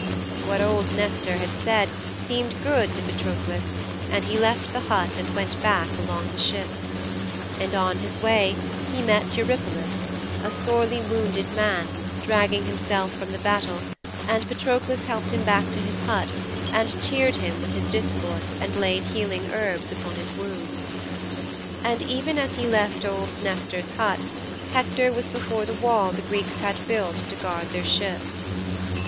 "' 'What old Nestor said seemed good to Patroklos and he left the hut and went back along the ships. And on his way he met Eurypylos, a sorely wounded man, dragging himself from the battle, and Patroklos helped him back to his hut and cheered him with discourse and laid healing herbs upon his wounds.' 'And even as he left old Nestor's hut, Hector was before the wall the Greeks had builded to guard their ships.